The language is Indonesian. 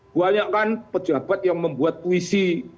banyak kan pejabat yang membuat puisi